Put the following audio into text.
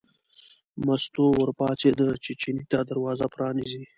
مستو ور پاڅېده چې چیني ته دروازه پرانیزي.